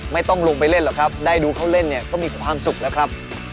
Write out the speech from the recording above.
ลงไปเล่นหรอกครับได้ดูเขาเล่นเนี่ยก็มีความสุขแล้วครับ